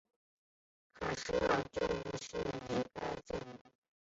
卡舍尔教省就是以该镇命名。